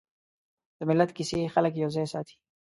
د ملت کیسې خلک یوځای ساتي.